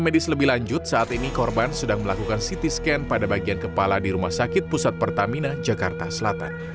medis lebih lanjut saat ini korban sedang melakukan ct scan pada bagian kepala di rumah sakit pusat pertamina jakarta selatan